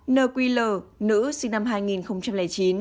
ba n q l nữ sinh năm hai nghìn chín